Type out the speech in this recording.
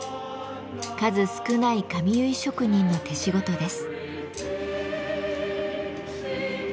数少ない髪結い職人の手仕事です。